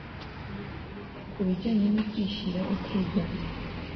ku bijyanye no kwishyira ukizana